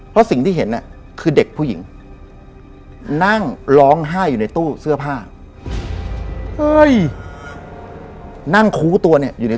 เพราะสิ่งที่เห็นเนี่ยคือเด็กผู้หญิงนั่งร้องไห้อยู่ในตู้เสื้อผ้า